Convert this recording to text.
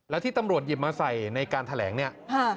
แล้วที่ตำรวจหยิบมาใส่ในการแถลงเนี่ย